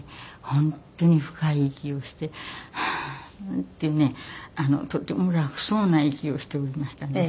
本当に深い息をしてハーッていうねとても楽そうな息をしておりましたんですよ。